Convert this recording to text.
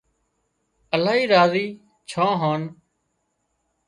لاهي راضي ڇان هانَ